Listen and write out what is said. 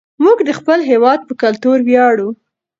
موږ د خپل هېواد په کلتور ویاړو.